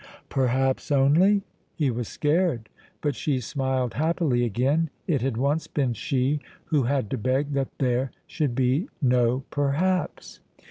"Perhaps only?" He was scared; but she smiled happily again: it had once been she who had to beg that there should be no perhaps.